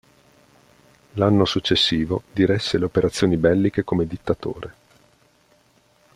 L'anno successivo diresse le operazioni belliche come dittatore.